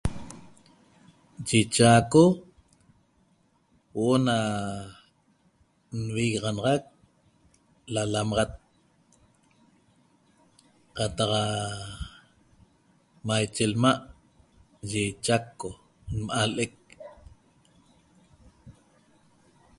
Yi Chaco huo'o na nvigaxanaxac lalamaxat qataq maiche lma' ye Chaco imalec